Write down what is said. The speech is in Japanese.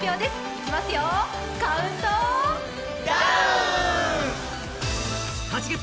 いきますよ、カウントダウン！